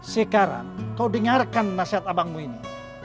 sekarang kau dengarkan nasihat abangmu ini